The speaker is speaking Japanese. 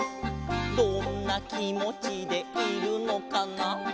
「どんなきもちでいるのかな」